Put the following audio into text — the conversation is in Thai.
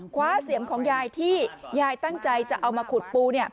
เสียมของยายที่ยายตั้งใจจะเอามาขุดปู